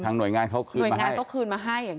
ทางหน่วยงานเขาคืนมาให้